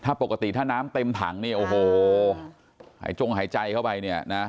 ถ้าปกติถ้าน้ำเต็มถังนี่โอ้โหหายจงหายใจเข้าไปเนี่ยนะ